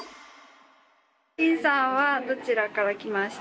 チンさんはどちらから来ましたか？